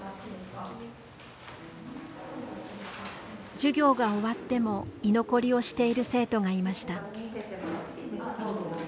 授業が終わっても居残りをしている生徒がいました。